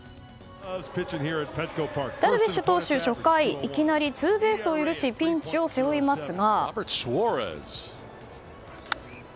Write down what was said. ダルビッシュ投手、初回いきなりツーベースを許しピンチを背負いますが。